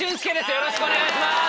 よろしくお願いします！